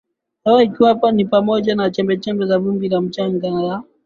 hewa ikiwa ni pamoja na chembechembe za vumbi la mchanga na